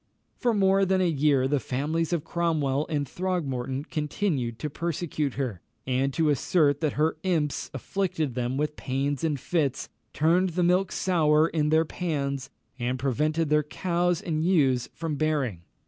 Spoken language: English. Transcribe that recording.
For more than a year the families of Cromwell and Throgmorton continued to persecute her, and to assert that her imps afflicted them with pains and fits, turned the milk sour in their pans, and prevented their cows and ewes from bearing.